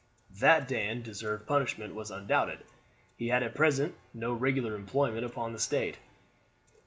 That Dan deserved punishment was undoubted. He had at present no regular employment upon the estate.